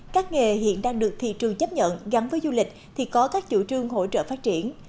các nghề hiện đang được thị trường chấp nhận gắn với du lịch thì có các chủ trương hỗ trợ phát triển